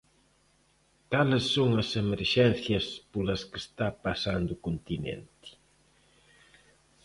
Cales son as emerxencias polas que está pasando o continente?